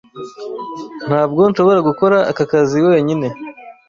Ntabwo nshobora gukora aka kazi wenyine.